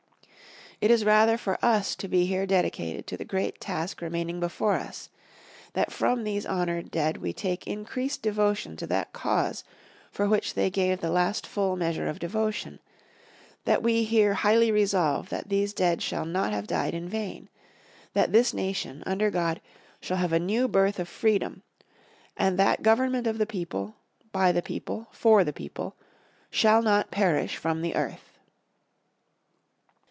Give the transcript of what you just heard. It is rather for us to be here dedicated to the great task remaining before us that from these honoured dead we take increased devotion to that cause for which they gave the last full measure of devotion that we here highly resolve that these dead shall not have died in vain that this nation, under God, shall have a new birth of freedom and that government of the people, by the people, for the people, shall not perish from the earth."